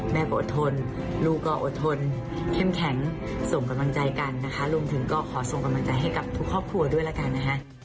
อดทนลูกก็อดทนเข้มแข็งส่งกำลังใจกันนะคะรวมถึงก็ขอส่งกำลังใจให้กับทุกครอบครัวด้วยละกันนะคะ